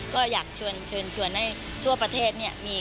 ก็อยากเชิญชวนให้ทั่วประเทศ